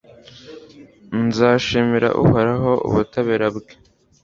nzashimira uhoraho ubutabera bwe